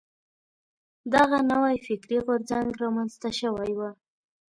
دغه نوی فکري غورځنګ را منځته شوی و.